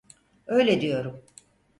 Öyle diyorum.